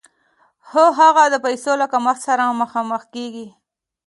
خو هغه د پیسو له کمښت سره مخامخ کېږي